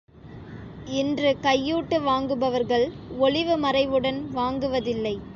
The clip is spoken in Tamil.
இன்று கையூட்டு வாங்குபவர்கள் ஒளிவு மறைவுடன் வாங்குவதில்லை.